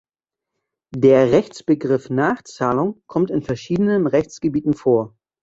Der Rechtsbegriff Nachzahlung kommt in verschiedenen Rechtsgebieten vor.